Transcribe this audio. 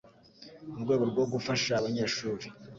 mu rwego rwo gufasha abanyeshuri